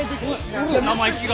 生意気が。